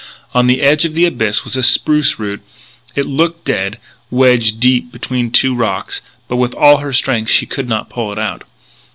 On the edge of the abyss was a spruce root. It looked dead, wedged deep between two rocks; but with all her strength she could not pull it out.